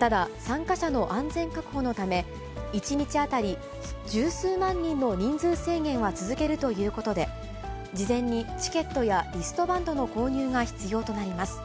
ただ、参加者の安全確保のため、１日当たり十数万人の人数制限は続けるということで、事前にチケットやリストバンドの購入が必要となります。